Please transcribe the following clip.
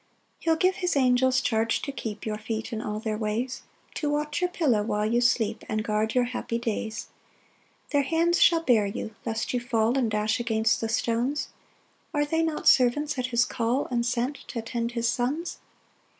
3 He'll give his angels charge to keep Your feet in all their ways; To watch your pillow while you sleep, And guard your happy days. 4 Their hands shall bear you, lest you fall And dash against the stones: Are they not servants at his call, And sent t' attend his sons?